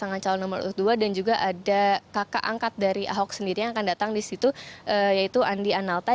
pasangan calon nomor urut dua dan juga ada kakak angkat dari ahok sendiri yang akan datang di situ yaitu andi analta